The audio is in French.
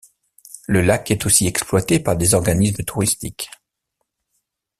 Le lac est aussi exploité par des organismes touristiques.